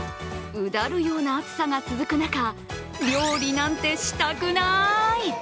うだるような暑さが続く中、料理なんてしたくなーい！